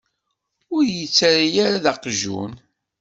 Ur yi-ttarra d aqjun.